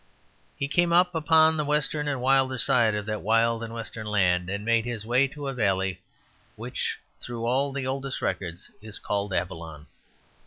He came up upon the western and wilder side of that wild and western land, and made his way to a valley which through all the oldest records is called Avalon.